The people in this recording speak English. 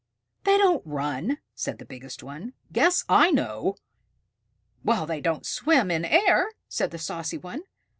They don't run," said the biggest one. "Guess I know!" "Well, they don't swim in air," said the saucy one.